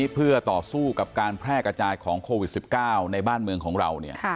เพื่อต่อสู้กับการแพร่กระจายของโควิด๑๙ในบ้านเมืองของเรา